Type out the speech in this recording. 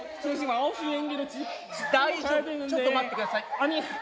大丈夫、ちょっと待ってください。